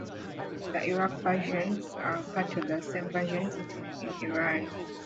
The Iraqi versions are part of the same versions eaten in Iran.